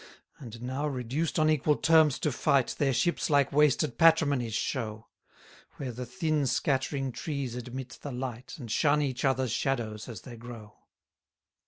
126 And now reduced on equal terms to fight, Their ships like wasted patrimonies show; Where the thin scattering trees admit the light, And shun each other's shadows as they grow.